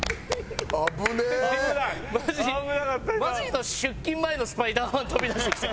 今出勤前のスパイダーマン飛び出してきた。